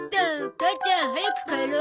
母ちゃん早く帰ろう！